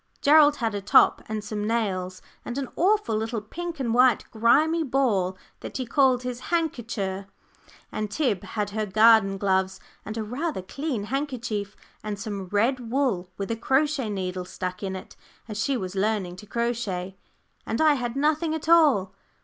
Gerald had a top and some nails, and an awful little pink and white grimy ball that he called his "handkercher"; and Tib had her garden gloves, and a rather clean handkerchief, and some red wool with a crochet needle stuck in it, as she was learning to crochet; and I had nothing at all.